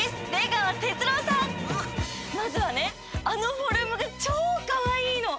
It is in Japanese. まずはねあのフォルムがちょうかわいいの！